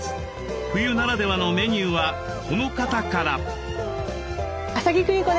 冬ならではのメニューはこの方から。